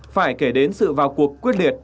phải kể đến sự vào cuộc quyết liệt